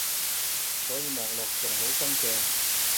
所以望落仲好新淨